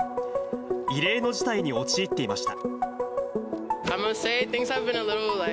異例の事態に陥っていました。